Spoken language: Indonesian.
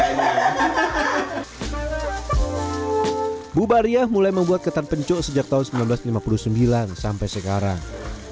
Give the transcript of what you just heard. ibu baria mulai membuat ketan penco sejak tahun seribu sembilan ratus lima puluh sembilan sampai sekarang